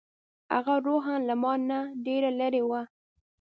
هغه روحاً له ما نه ډېره لرې وه.